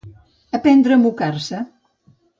Aprendre a mocar-se.